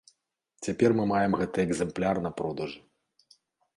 Цяпер мы маем гэты экзэмпляр на продажы.